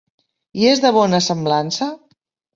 I és de bona semblança?